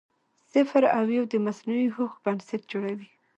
صفر او یو د مصنوعي هوښ بنسټ جوړوي.